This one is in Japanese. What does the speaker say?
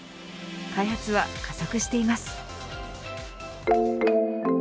開発は加速しています。